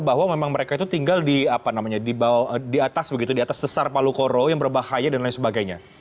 bahwa memang mereka itu tinggal di atas sesar palu koro yang berbahaya dan lain sebagainya